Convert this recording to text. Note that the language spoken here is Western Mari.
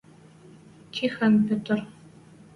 Тихӹн, Петр.